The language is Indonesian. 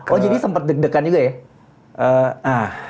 oh jadi sempat deg degan juga ya